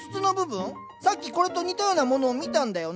さっきこれと似たようなものを見たんだよな。